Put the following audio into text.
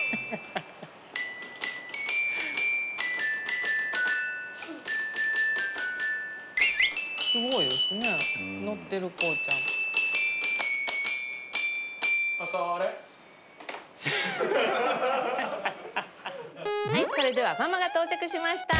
はいそれではママが到着しました。